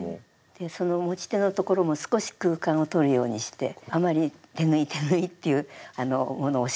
でその持ち手のところも少し空間をとるようにしてあまり手縫い手縫いっていうものを仕込まないで。